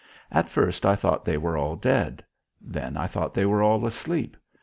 At first I thought they were all dead. Then I thought they were all asleep.